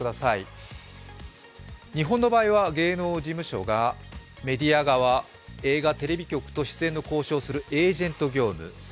日本の場合は芸能事務所がメディア側と出演の交渉をするエージェント業務。